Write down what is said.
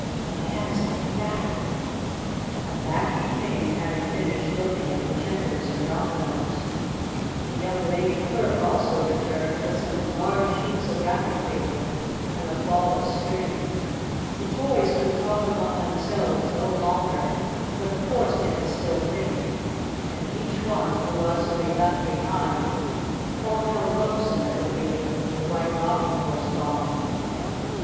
"The man is coming back!" And back he came, having finished looking at the checkers and dominoes. The young lady clerk also returned, with some large sheets of wrapping paper and a ball of string. The toys could talk among themselves no longer, but of course they could still think, and each one who was to be left behind thought how lonesome it would be with the White Rocking Horse gone.